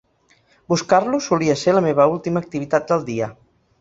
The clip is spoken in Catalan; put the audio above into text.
Buscar-lo solia ser la meva última activitat del dia.